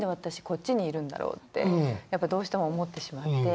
こっちにいるんだろうってやっぱどうしても思ってしまって。